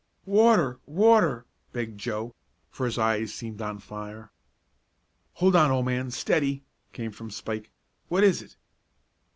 "Water water!" begged Joe, for his eyes seemed on fire. "Hold on, old man steady," came from Spike. "What is it?"